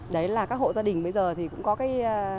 đấy là các hộ gia đình bây giờ thì cũng có cái